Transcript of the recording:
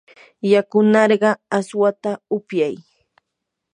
yakunarqaa aswata upyay.